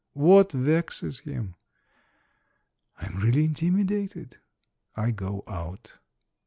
What vexes him? I am really intimidated. I go out.